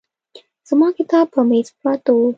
زما کتاب په مېز پراته وو.